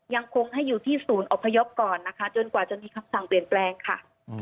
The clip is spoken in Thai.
ยังคงให้อยู่ที่ศูนย์อพยพก่อนนะคะจนกว่าจะมีคำสั่งเปลี่ยนแปลงค่ะ